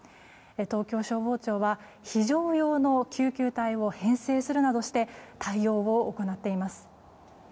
東京消防庁は非常用の救急隊を編成するなどして対応を行っています。